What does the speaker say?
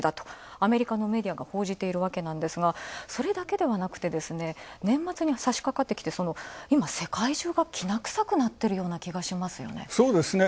アメリカのメディアが報じていますが、それだけではなくて、年末に差し掛かってきて、世界中がきな臭くなっている気がしますよね。